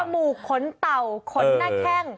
หมูกขนเต่าขนหน้าแข้ง